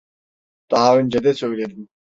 Daha önce de söyledim.